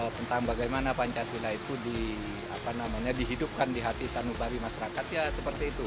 tentang bagaimana pancasila itu dihidupkan di hati sanubari masyarakat ya seperti itu